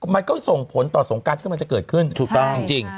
มันก็ส่งผลต่อสงการที่มันจะเกิดขึ้นถูกต้องจริง